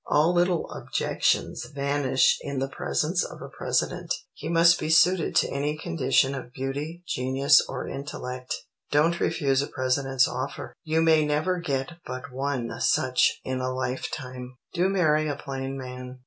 All little objections vanish in the presence of a President. He must be suited to any condition of beauty, genius, or intellect. Don't refuse a President's offer; you may never get but one such in a lifetime. _Do marry a plain man.